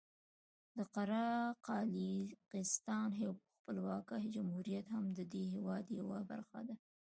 د قره قالیاقستان خپلواکه جمهوریت هم د دې هېواد یوه برخه ده.